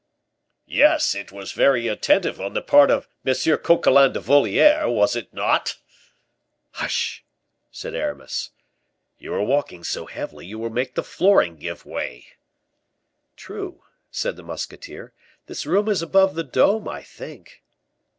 "Yes, it was very attentive on the part of Monsieur Coquelin de Voliere, was it not?" "Hush!" said Aramis. "You are walking so heavily you will make the flooring give way." "True," said the musketeer; "this room is above the dome, I think."